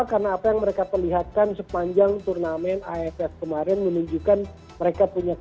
karena apa yang mereka perlihatkan sepanjang turnamen afs kemarin menunjukkan mereka punya kelas